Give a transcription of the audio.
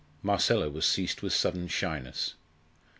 Marcella was seized with sudden shyness.